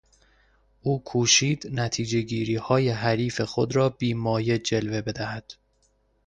او کوشید نتیجهگیریهای حریف خود را بی مایه جلوه بدهد.